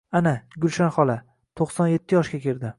Ana, Gulshan xola, to‘qson yetti yoshga kirdi